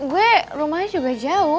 gue rumahnya juga jauh